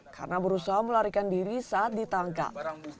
karena berusaha melarikan diri saat ditangkap